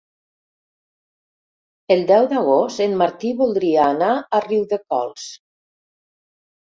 El deu d'agost en Martí voldria anar a Riudecols.